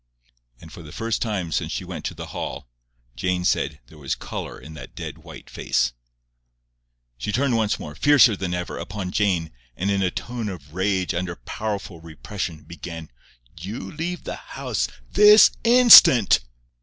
And for the first time since she went to the Hall, Jane said, there was colour in that dead white face. She turned once more, fiercer than ever, upon Jane, and in a tone of rage under powerful repression, began:— "You leave the house—THIS INSTANT."